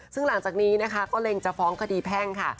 ซึ่งหลังจากนี้นะคะก็เล็งจะฟ้องคดีแพ่งค่ะ